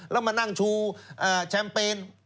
แล้วมานั่งชูแชมเปญ